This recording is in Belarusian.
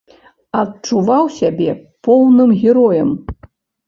Адчуваў сябе поўным героем.